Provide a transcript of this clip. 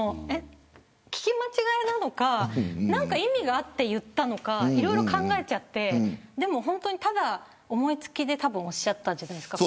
聞き間違えなのか何か意味があって言ったのかいろいろ考えちゃって本当に、ただ思い付きでおっしゃったんじゃないですか